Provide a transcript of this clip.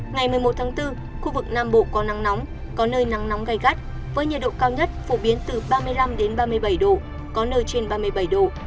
ngày một mươi một tháng bốn khu vực nam bộ có nắng nóng có nơi nắng nóng gai gắt với nhiệt độ cao nhất phổ biến từ ba mươi năm ba mươi bảy độ có nơi trên ba mươi bảy độ